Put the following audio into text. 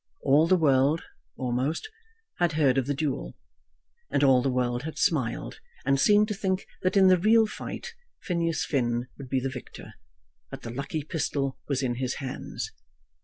All the world, almost, had heard of the duel; and all the world had smiled, and seemed to think that in the real fight Phineas Finn would be the victor, that the lucky pistol was in his hands.